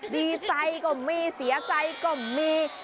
ดีใจก็มีเสียใจก็มี